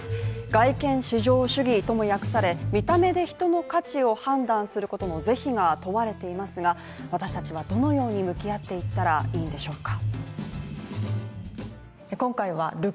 外見至上主義とも訳され、見た目で人の価値を判断することの是非が問われていますが私たちはどのように向き合っていったらいいんでしょうか。